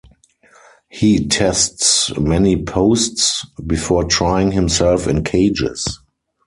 He tests many posts, before trying himself in cages.